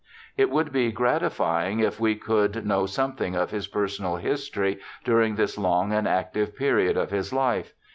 It would be gratifying if we could know something of his personal history during this long and active period of his life.